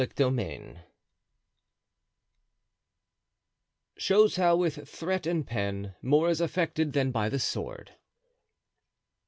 Chapter LXXXVIII. Shows how with Threat and Pen more is effected than by the Sword.